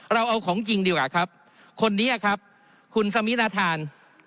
เราเอาของจริงดีกว่าครับคนนี้ครับคุณสมิราธาน